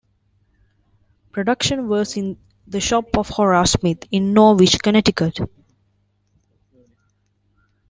Production was in the shop of Horace Smith in Norwich, Connecticut.